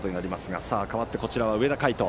かわって、こちらは上田海翔。